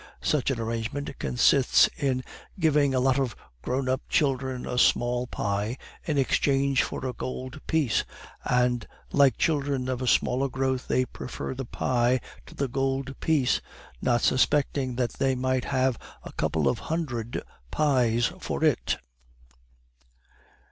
Such an arrangement consists in giving a lot of grown up children a small pie in exchange for a gold piece; and, like children of a smaller growth, they prefer the pie to the gold piece, not suspecting that they might have a couple of hundred pies for it."